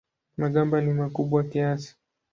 Magamba ni makubwa kiasi.